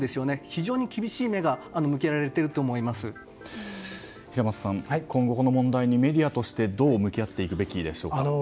非常に厳しい目が平松さん、今後この問題にメディアとしてどう向き合っていくべきでしょうか。